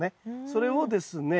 それをですね